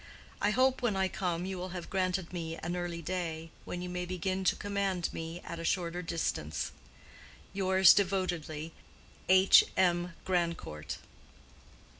I hope, when I come, you will have granted me an early day, when you may begin to command me at a shorter distance.—Yours devotedly, H. M. GRANDCOURT.